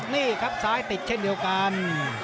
นี่ครับซ้ายติดเช่นเดียวกัน